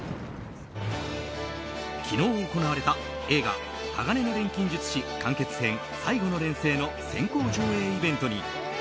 昨日行われた映画「鋼の錬金術師完結編最後の錬成」の先行上映イベントにＨｅｙ！